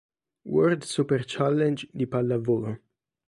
World Super Challenge di pallavolo